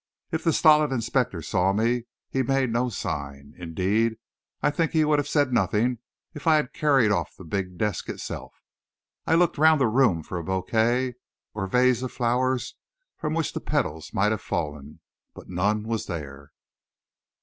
If the stolid inspector saw me, he made no sign. Indeed, I think he would have said nothing if I had carried off the big desk itself. I looked round the room for a bouquet or vase of flowers from which the petals might have fallen, but none was there.